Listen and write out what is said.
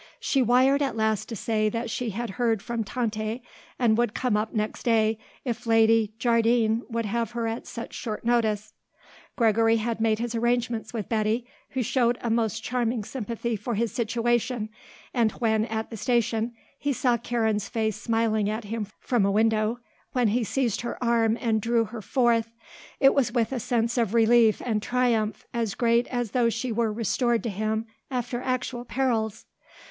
She wired at last to say that she had heard from Tante and would come up next day if Lady Jardine could have her at such short notice. Gregory had made his arrangements with Betty, who showed a most charming sympathy for his situation, and when, at the station, he saw Karen's face smiling at him from a window, when he seized her arm and drew her forth, it was with a sense of relief and triumph as great as though she were restored to him after actual perils.